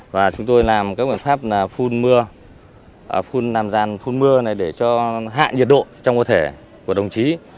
và chúng tôi làm các bản pháp phun mưa phun làm ràn phun mưa để cho hạ nhiệt độ trong cơ thể của đồng chí